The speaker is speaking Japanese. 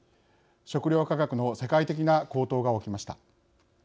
食料価格の世界的な高騰が起きました。